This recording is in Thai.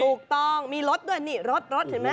ถูกต้องมีรถด้วยนี่รถรถเห็นไหม